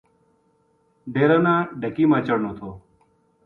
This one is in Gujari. ڈیرا نا ڈھکی ما چڑھنو تھو